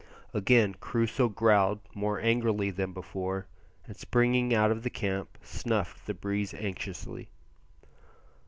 Again Crusoe growled more angrily than before, and springing out of the camp snuffed the breeze anxiously.